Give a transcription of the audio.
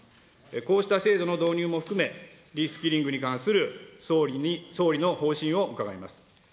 こうした制度の導入も含め、リスキリングに関する総理の方針を伺います。